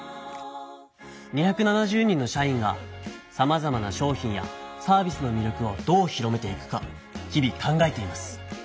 ２７０人の社員がさまざまな商品やサービスのみ力をどう広めていくか日々考えています。